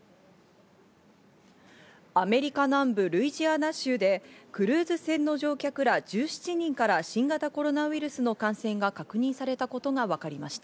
アメリカ南部ルイジアナ州でクルーズ船の乗客ら１７人から新型コロナウイルスの感染が確認されたことがわかりました。